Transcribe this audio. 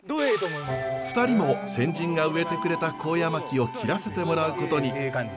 ２人も先人が植えてくれた高野槙を切らせてもらうことに。